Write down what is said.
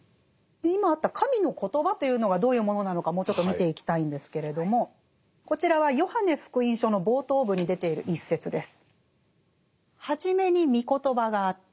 今あった神の言葉というのがどういうものなのかもうちょっと見ていきたいんですけれどもこちらは「ヨハネ福音書」の冒頭部に出ている一節です。